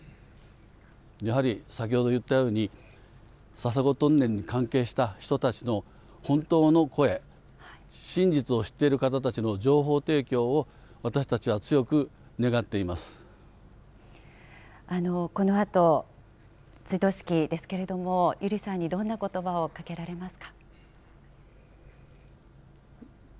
やはり先ほど言ったように、笹子トンネルに関係した人たちの本当の声、真実を知っている方たちの情報提供を、私たちは強く願このあと追悼式ですけれども、友梨さんにどんなことばをかけられますか。